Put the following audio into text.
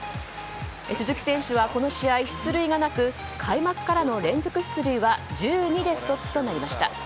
鈴木選手はこの試合、出塁がなく開幕からの連続出塁は１２でストップとなりました。